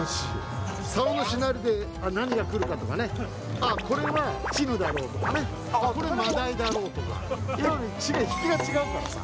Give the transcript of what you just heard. さおのしなりで何が来るかとかね、これはチヌだろうとかね、これ、マダイだろうとかね、引きが違うからさ。